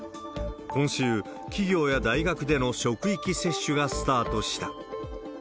今週、企業や大学での職域接種がスタートした。